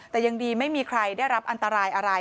แต่ยังดีไม่มีใครได้รับอันตรายอะไร